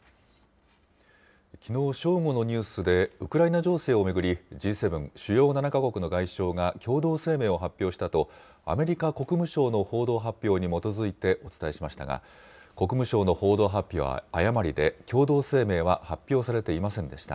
きのう正午のニュースで、ウクライナ情勢を巡り、Ｇ７・主要７か国の外相が共同声明を発表したと、アメリカ国務省の報道発表に基づいてお伝えしましたが、国務省の報道発表は誤りで、共同声明は発表されていませんでした。